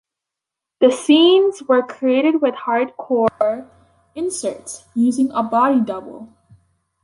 These scenes were created with hardcore inserts, using a body double.